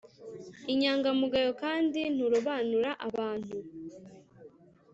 inyangamugayo kandi nturobanura abantu